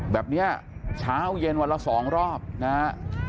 แบบนี้เช้าเย็นวันละ๒รอบนะฮะ